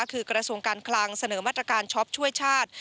คือกระทรวงการคลังเสนอมาตรการช็อปช่วยชาติ